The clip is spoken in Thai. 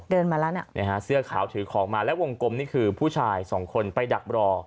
มาแล้วเนี่ยฮะเสื้อขาวถือของมาแล้ววงกลมนี่คือผู้ชายสองคนไปดักรอ